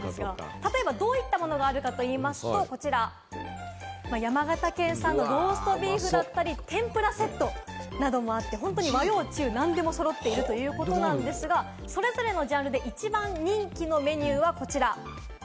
例えばどういったものがあるかといいますとこちら、山形県産のローストビーフだったり、天ぷらセットなどもあって、本当に和・洋・中、何でも揃っているということなんですが、それぞれのジャンルで一番人気のメニューはこちら。